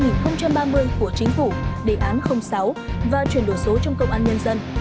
tổ chức của chính phủ đề án sáu và chuyển đổi số trong công an nhân dân